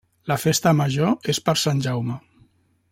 La Festa Major és per Sant Jaume.